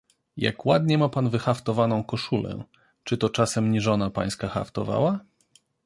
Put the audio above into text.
"Jak ładnie ma pan wyhaftowaną koszulę, czy to czasem nie żona pańska haftowała?"